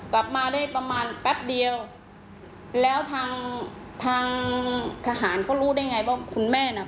กลับมาได้ประมาณแป๊บเดียวแล้วทางทางทหารเขารู้ได้ไงว่าคุณแม่น่ะ